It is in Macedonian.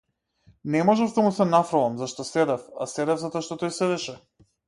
Не можев да му се нафрлам, зашто седев, а седев затоа што тој седеше.